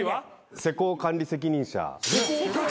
施工管理責任者。